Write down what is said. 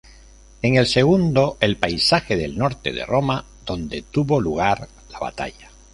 En el segundo, el paisaje del norte de Roma, donde tuvo lugar la batalla.